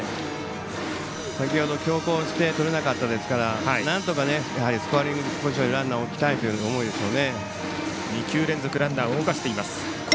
先ほど強攻して取れなかったですからなんとかスコアリングポジションにランナーを置きたいという狙いでしょうね。